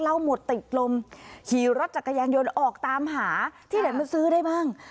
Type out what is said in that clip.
หมดติดลมขี่รถจักรยานยนต์ออกตามหาที่ไหนมาซื้อได้บ้าง